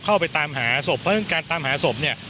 เข้าไปตามหาศพเพราะฉะนั้นการตามหาศพเนี่ย